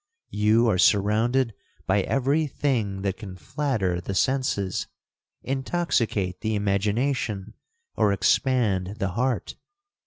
'You are surrounded by every thing that can flatter the senses, intoxicate the imagination, or expand the heart.